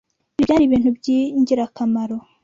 Ibi byari ibintu byingirakamaro.